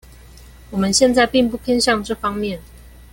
我們現在並不偏向這方面